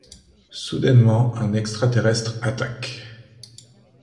Soudainement un extraterrestre attaque.